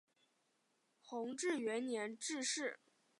弘治元年致仕。